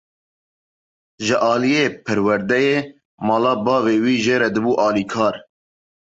Ji aliyê perwerdeyê mala bavê wî jê re dibû alîkar.